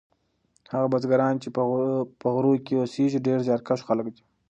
هغه بزګران چې په غرو کې اوسیږي ډیر زیارکښ خلک دي.